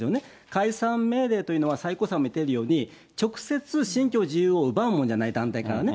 解散命令というのは、最高裁もいっているように、直接信教の自由を奪うもんじゃない、団体からね。